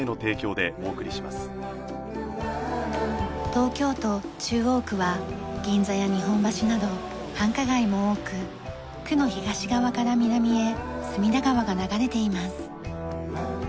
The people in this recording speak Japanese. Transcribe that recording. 東京都中央区は銀座や日本橋など繁華街も多く区の東側から南へ隅田川が流れています。